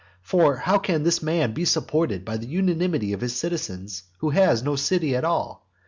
For how can a man be supported by the unanimity of his citizens, who has no city at all?